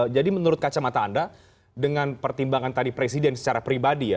jadi menurut kacamata anda dengan pertimbangan tadi presiden secara pribadi ya